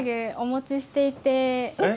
えっ？